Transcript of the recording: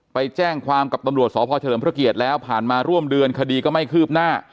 ไปแจ้งความกับตำรวจสพเฉลิมพระเกียรติแล้วผ่านมาร่วมเดือนคดีก็ไม่คืบหน้า